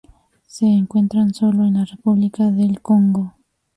Se encuentran sólo en la República del Congo.